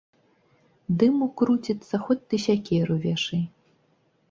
Дыму круціцца, хоць ты сякеру вешай.